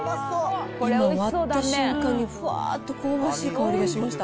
今、割った瞬間にふわーっと香ばしい香りがしました。